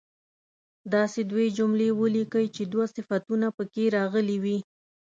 داسې دوې جملې ولیکئ چې دوه صفتونه په کې راغلي وي.